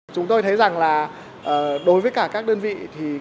chúng tôi thấy rằng là đối với cả các đơn vị